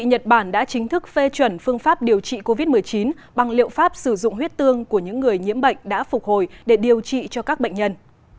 nhật bản đã chính thức phê chuẩn phương pháp điều trị covid một mươi chín bằng liệu pháp sử dụng huyết tương của những người nhiễm bệnh đã phục hồi để điều trị cho các bệnh nhân